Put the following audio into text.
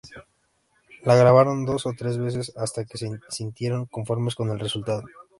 La grabaron dos o tres veces hasta que se sintieron conformes con el resultado.